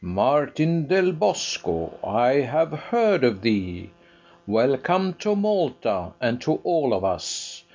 Martin del Bosco, I have heard of thee: Welcome to Malta, and to all of us!